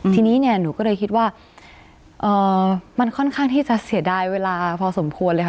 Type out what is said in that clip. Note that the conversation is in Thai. ทีนี้เนี่ยหนูก็เลยคิดว่ามันค่อนข้างที่จะเสียดายเวลาพอสมควรเลยค่ะ